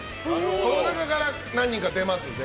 この中から何人か出ます。